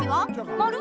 まる？